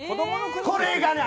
これがね